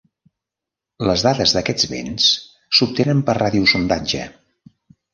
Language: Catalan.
Les dades d'aquests vents s'obtenen per radiosondatge.